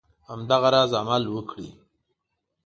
همدغه راز عمل وکړي.